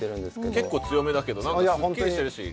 結構強めだけど何かすっきりしてるし。